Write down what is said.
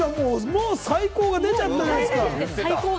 もう最高！が出ちゃったじゃないですか。